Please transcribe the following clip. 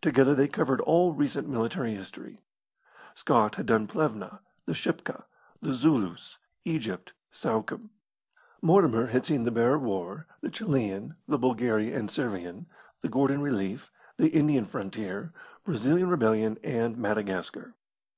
Together they covered all recent military history. Scott had done Plevna, the Shipka, the Zulus, Egypt, Suakim; Mortimer had seen the Boer War, the Chilian, the Bulgaria and Servian, the Gordon relief, the Indian frontier, Brazilian rebellion, and Madagascar.